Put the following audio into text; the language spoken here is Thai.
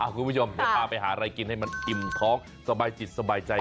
คุณผู้ชมเดี๋ยวพาไปหาอะไรกินให้มันอิ่มท้องสบายจิตสบายใจ